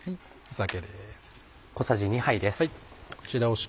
酒です。